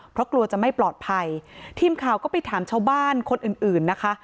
เพราะกลัวจะไม่ปลอดภัยทีมข่าวก็ไปถามชาวบ้านคนอื่นอื่นนะคะ